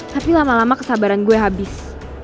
tapi lama lama kesabaran gue habis